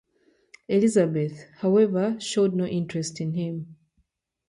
Elizabeth, however, showed no interest in him.